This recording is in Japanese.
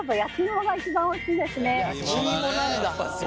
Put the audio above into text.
焼き芋なんだ。